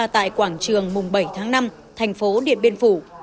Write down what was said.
tại quảng trường mùng bảy tháng năm thành phố điện biên phủ